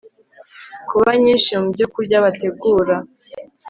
kuba nyinshi mu byokurya bategura